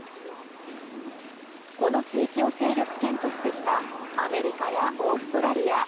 この地域を勢力圏としてきたアメリカやオーストラリア